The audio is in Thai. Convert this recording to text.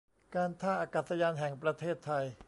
การท่าอากาศยานแห่งประเทศไทย